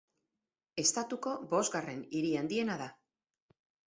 Estatuko bosgarren hiri handiena da.